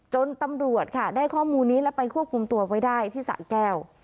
ตำรวจค่ะได้ข้อมูลนี้และไปควบคุมตัวไว้ได้ที่สะแก้ว